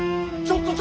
ちょっと！